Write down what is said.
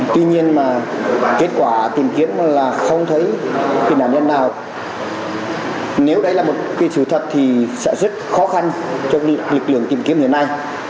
tuy nhiên mà kết quả tìm kiếm là không thấy tìm nàn nhân nào nếu đấy là một sự thật thì sẽ rất khó khăn cho lực lượng tìm kiếm hiện nay